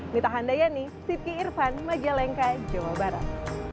mitahandai siti irvan majalengka jawa barat